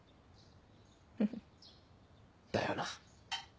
フフ。だよな。